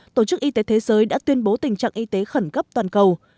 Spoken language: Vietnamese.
tổ chức y tế thế giới đã tuyên bố tình trạng y tế khẩn cấp toàn cầu